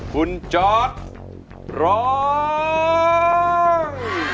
คุณจอร์ดร้อง